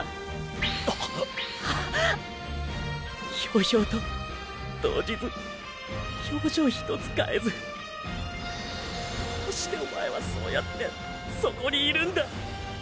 飄々と動じず表情ひとつかえずどうしておまえはそうやってそこにいるんだ！！